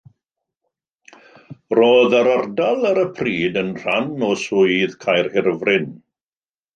Roedd yr ardal ar y pryd yn rhan o Swydd Caerhirfryn.